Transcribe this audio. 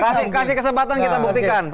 kasih kesempatan kita buktikan